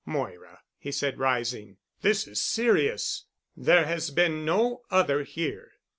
"Moira," he said, rising, "this is serious. There has been no other here."